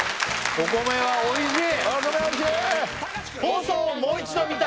お米おいしい！